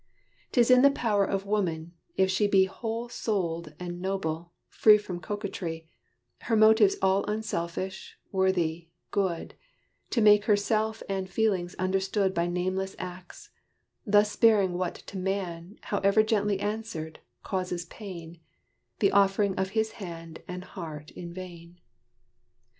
'Tis in the power of woman, if she be Whole souled and noble, free from coquetry Her motives all unselfish, worthy, good, To make herself and feelings understood By nameless acts thus sparing what to man, However gently answered, causes pain, The offering of his hand and heart in vain.